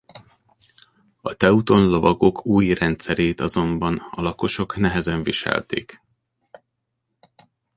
A teuton lovagok új rendszerét azonban a lakosok nehezen viselték.